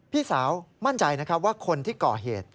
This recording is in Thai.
พี่สาวมั่นใจนะครับว่าคนที่ก่อเหตุ